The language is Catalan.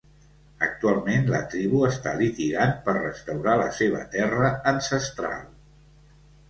Actualment la tribu està litigant per restaurar la seva terra ancestral.